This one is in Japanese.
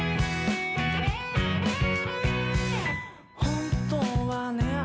本当はね